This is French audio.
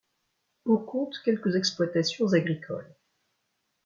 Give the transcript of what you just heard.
On compte quelques exploitations agricoles.